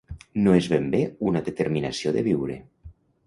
No és ben bé una ‘determinació’ de viure.